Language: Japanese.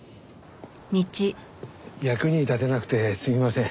役に立てなくてすみません。